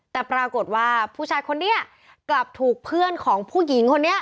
แต่ปรากฏว่าผู้ชายคนนี้กลับถูกเพื่อนของผู้หญิงคนนี้